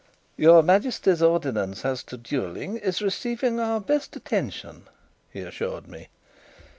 "Your Majesty's ordinance as to duelling is receiving our best attention," he assured me.